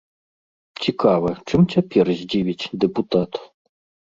Цікава, чым цяпер здзівіць дэпутат?